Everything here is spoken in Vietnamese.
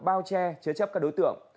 co che chế chấp các đối tượng